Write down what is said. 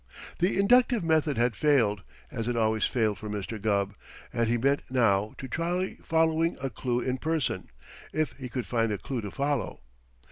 The inductive method had failed as it always failed for Mr. Gubb and he meant now to try following a clue in person, if he could find a clue to follow.